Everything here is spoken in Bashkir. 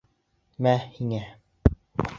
Мә һиңә!